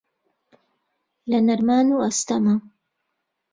لە نەرمان و ئەستەما